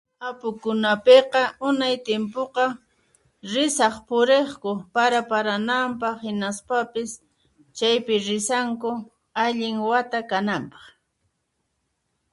Apukunapiqa, unay timpuqa, risaq punriqku para paranampaq hinaspapis chaypi risanku allin wata kanampaq.